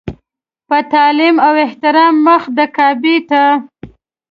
په تعلیم او احترام مخ د کعبې ته.